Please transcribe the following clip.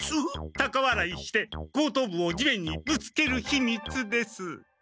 たかわらいして後頭部を地面にぶつけるひみつです。